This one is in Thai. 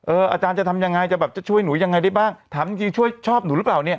อาจารย์จะทำยังไงจะแบบจะช่วยหนูยังไงได้บ้างถามจริงช่วยชอบหนูหรือเปล่าเนี่ย